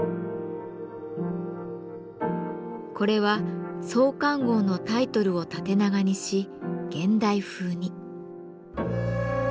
これは創刊号のタイトルを縦長にし現代風に。